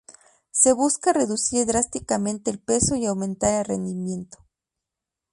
Se busca reducir drásticamente el peso y aumentar el rendimiento.